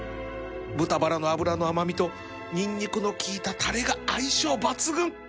豚バラの脂の甘味とニンニクの効いたたれが相性抜群